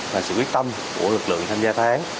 và sự quyết tâm của lực lượng tham gia tháng